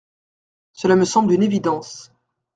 Cela me semble une évidence.